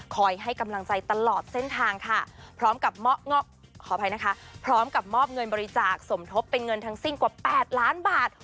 คอยให้กำลังใจตลอดเส้นทางค่ะพร้อมกับเงินบริจาคสมทบเป็นเงินทั้งสิ้นกว่าแปดล้านบาท